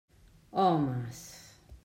Homes!